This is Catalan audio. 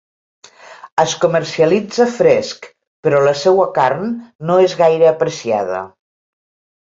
Es comercialitza fresc, però la seua carn no és gaire apreciada.